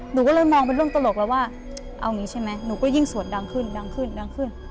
หนูก็เลยมองเป็นเรื่องตลกแล้วว่าเอางี้ใช่ไหมหนูก็ยิ่งสวดดังขึ้นดังขึ้นดังขึ้น